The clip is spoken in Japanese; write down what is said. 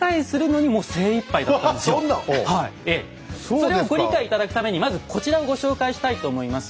それをご理解頂くためにまずこちらをご紹介したいと思います。